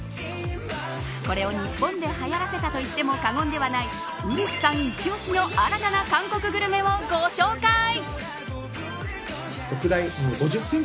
これを日本ではやらせたといっても過言ではないウルフさんいち押しの新たな韓国グルメをご紹介。